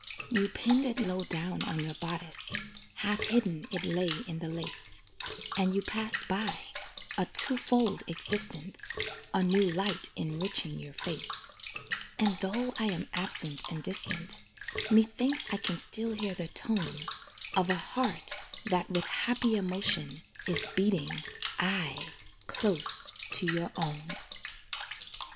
You pinned it low down on your bodice, Half hidden it lay in the lace, And you passed by "a two fold existence," A new light enriching your face. And though I am absent and distant, Methinks I can still hear the tone Of a heart that, with happy emotion, Is beating, aye! close to your own.